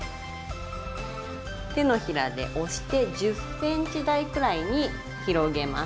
手のひらで押して１０ｃｍ大くらいに広げます。